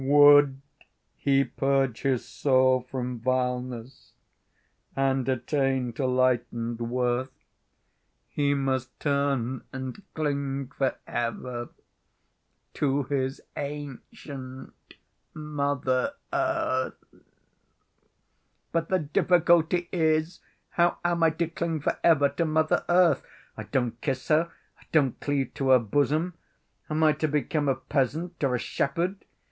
Would he purge his soul from vileness And attain to light and worth, He must turn and cling for ever To his ancient Mother Earth. But the difficulty is how am I to cling for ever to Mother Earth. I don't kiss her. I don't cleave to her bosom. Am I to become a peasant or a shepherd?